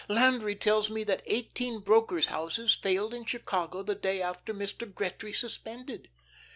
Landry tells me that eighteen brokers' houses failed in Chicago the day after Mr. Gretry suspended.